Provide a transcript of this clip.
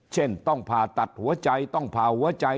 เช่นต้องผ่าตัดหัวใจต้องผ่าหัวใจ